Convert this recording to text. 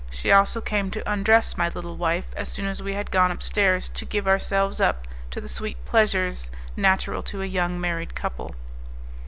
She also came to undress my little wife as soon as we had gone upstairs to give ourselves up to the sweet pleasures natural to a young married couple.